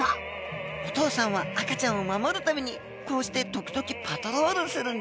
お父さんは赤ちゃんを守るためにこうして時々パトロールするんです。